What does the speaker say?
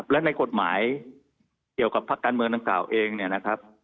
และในกฎหมายเกี่ยวกับพักการเมืองดังกล่าวเองเนี่ยนะครับ